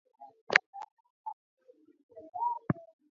inasemekana alikuwa akizipeleka kwa wanamgambo katika mkoa wa Kobu